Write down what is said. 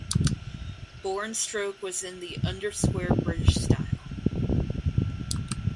Bore and stroke was in the undersquare British style.